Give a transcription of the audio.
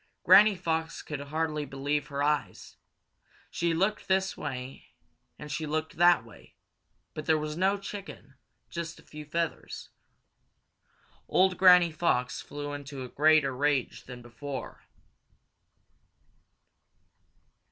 Granny Fox could hardly believe her own eyes. She looked this way and she looked that way, but there was no chicken, just a few feathers. Old Granny Fox flew into a greater rage than before.